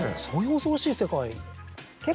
そういう恐ろしい世界。